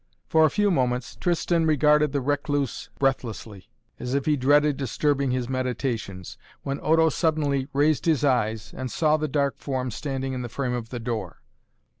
For a few moments Tristan regarded the recluse breathlessly, as if he dreaded disturbing his meditations, when Odo suddenly raised his eyes and saw the dark form standing in the frame of the door.